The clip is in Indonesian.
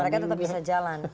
mereka tetap bisa jalan